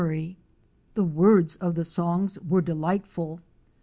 267 The words of the songs were delightful.